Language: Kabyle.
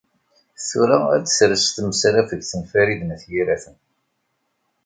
Tura ara d-tres tmesrafegt n Farid n At Yiraten.